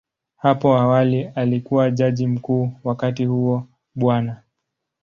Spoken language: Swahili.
Hapo awali alikuwa Jaji Mkuu, wakati huo Bw.